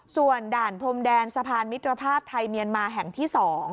ส่วนด่านพรมแดนสะพานมิตรภาพไทยเมียนมาแห่งที่๒